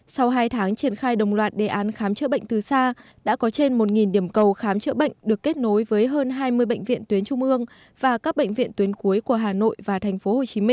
sau hai tháng triển khai đồng loạt đề án khám chữa bệnh từ xa đã có trên một điểm cầu khám chữa bệnh được kết nối với hơn hai mươi bệnh viện tuyến trung ương và các bệnh viện tuyến cuối của hà nội và tp hcm